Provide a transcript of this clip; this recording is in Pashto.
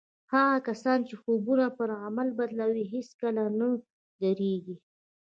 هغه کسان چې خوبونه پر عمل بدلوي هېڅکله نه درېږي